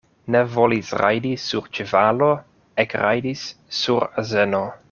Ne volis rajdi sur ĉevalo, ekrajdis sur azeno.